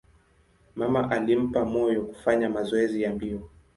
Mama alimpa moyo kufanya mazoezi ya mbio.